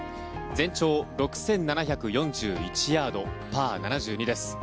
全長６７４１ヤードパー７２です。